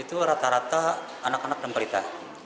itu rata rata anak anak dan pelita